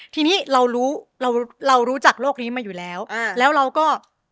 ทีนี้เรารู้จักโลกนี้มาอยู่แล้วแล้วเราก็